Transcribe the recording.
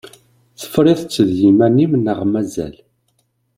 Tefriḍ-tt d yiman-im neɣ mazal?